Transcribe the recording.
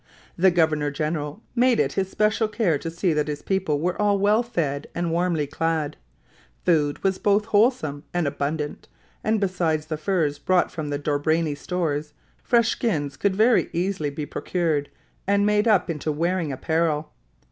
The governor general made it his special care to see that his people were all well fed and warmly clad. Food was both wholesome and abundant, and besides the furs brought from the Dobryna's stores, fresh skins could very easily be procured and made up into wearing apparel.